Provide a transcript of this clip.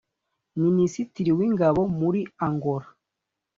Minisitiri w’Ingabo muri Angola